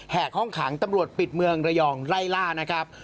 หากห้องขังตำรวจปิดเมืองระยองไล่ล่านะครับ